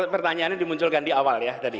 pertanyaannya dimunculkan di awal